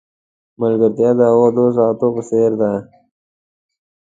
ملګرتیا د هغو دوو ساعتونو په څېر ده.